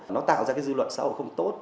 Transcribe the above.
nó tạo ra dư luận xã hội không tốt